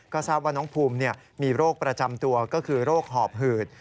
ก็ทราบว่าน้องภูมิมีโรคประจำตัวก็คือโรคหอบหืด